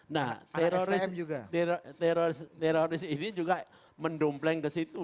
nah teroris ini juga mendompleng ke situ